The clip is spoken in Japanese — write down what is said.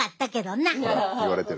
言われてる。